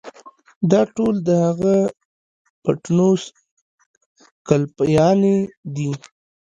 دا ټول د هغه پټنوس ګلپيانې دي.